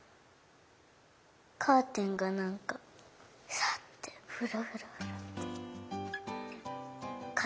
カーテンがなんかさってふらふらふらふらって。